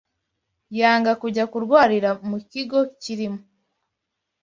yanga kujya kurwarira mu kigo kirimo